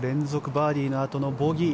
バーディーのあとのボギー。